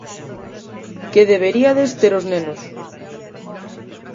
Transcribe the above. que deberiades ter os nenos.